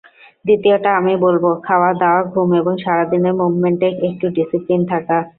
দ্বিতীয়টা আমি বলব, খাওয়া-দাওয়া, ঘুম এবং সারা দিনের মুভমেন্টে একটু ডিসিপ্লিন থাকা।